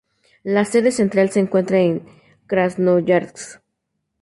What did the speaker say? La sede central se encuentra en Krasnoyarsk.